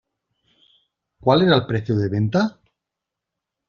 ¿Cuál era el precio de venta?